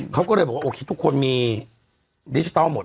เขาก็เลยบอกว่าโอเคทุกคนมีดิจิทัลหมด